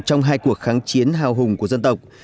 trong hai cuộc kháng chiến hào hùng của dân tộc